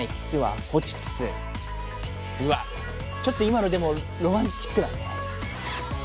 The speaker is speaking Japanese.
うわっちょっと今のでもロマンチックだね。